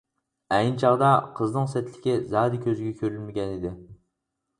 ئەينى چاغدا قىزنىڭ سەتلىكى زادى كۆزىگە كۆرۈنمىگەنىدى.